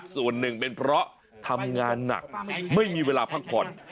ส่วนหนึ่งเป็นเพราะทำงานหนักไม่มีเวลาพักผ่อน